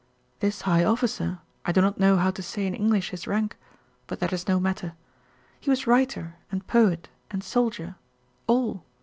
This high officer, I do not know how to say in English his rank, but that is no matter. He was writer, and poet, and soldier all.